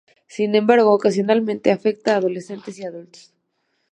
Sin embargo, ocasionalmente afecta a adolescentes y adultos.